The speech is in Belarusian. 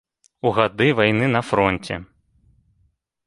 У гады вайны на фронце.